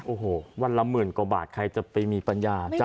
โอ้โหวันละหมื่นกว่าบาทใครจะไปมีปัญญา